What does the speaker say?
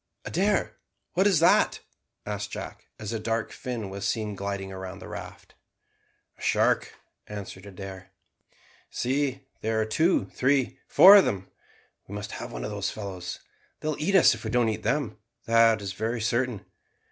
"Adair, what is that?" asked Jack, as a dark fin was seen gliding round the raft. "A shark," answered Adair. "See, there are two, three, four of them. We must have one of those fellows. They will eat us if we don't eat them, that is very certain.